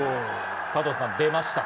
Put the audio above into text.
加藤さん、出ました。